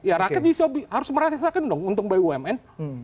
ya rakyat bisa harus merasakan dong untuk bumn